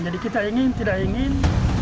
jadi kita ingin tidak ingin